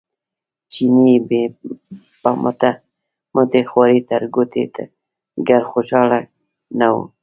چیني یې په مټې خوارۍ تر کوټې کړ خوشاله نه و.